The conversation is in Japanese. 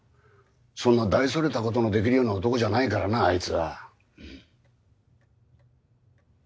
そんな大それたことのできるような男じゃないからなアイツは。